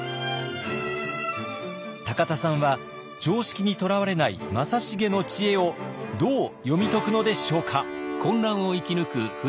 田さんは常識にとらわれない正成の知恵をどう読み解くのでしょうか。